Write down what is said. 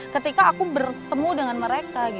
ketika aku bertemu dengan mereka